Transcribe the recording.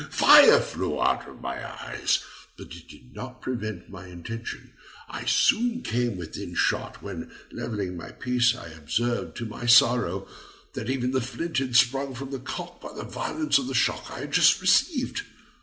Fire flew out of my eyes, but it did not prevent my intention; I soon came within shot, when, levelling my piece, I observed to my sorrow, that even the flint had sprung from the cock by the violence of the shock I had just received.